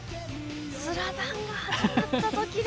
「スラダン」が始まった時だ。